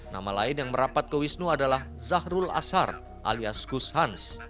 nama lain yang merapat ke wisnu adalah zahrul asar alias gus hans